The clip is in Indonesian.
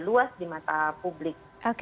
luas di mata publik